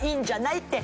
って